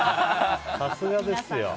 さすがですよ。